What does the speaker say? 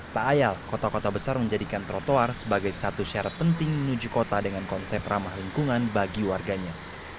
tak ayal kota kota besar menjadikan trotoar sebagai satu syarat penting menuju kota dengan konsep ramah lingkungan bagi warganya